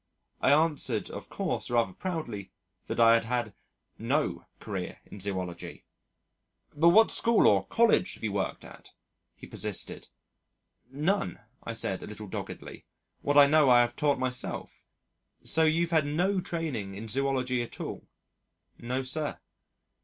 I answered of course rather proudly that I had had no career in Zoology. "But what school or college have you worked at?" he persisted. "None," I said a little doggedly. "What I know I have taught myself." "So you've had no training in Zoology at all?" "No, sir."